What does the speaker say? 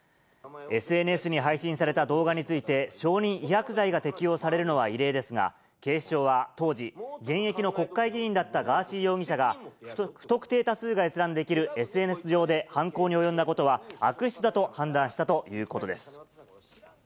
ＳＮＳに配信された動画について、証人威迫罪が適用されるのは異例ですが、警視庁は、当時、現役の国会議員だったガーシー容疑者が、不特定多数が閲覧できるＳＮＳ上で犯行に及んだことは悪質だと判断したということです。